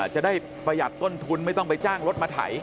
จะได้ประหยัดต้นทุนไม่ต้องไปจ้างรถมาไถ